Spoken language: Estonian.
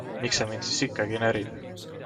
Miks see mind siis ikkagi närib?